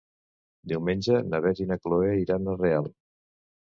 Diumenge na Beth i na Chloé iran a Real.